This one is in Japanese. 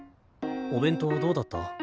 お弁当どうだった？